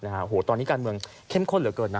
โอ้โหตอนนี้การเมืองเข้มข้นเหลือเกินนะ